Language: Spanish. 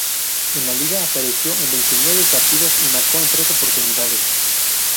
En la liga, apareció en veintinueve partidos y marcó en tres oportunidades.